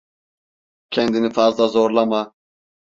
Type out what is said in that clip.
Kendini fazla zorlama.